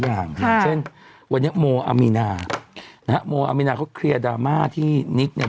อย่างเช่นวันนี้โมอามีนาเขาเคลียร์ดราม่าที่นิกเนี่ย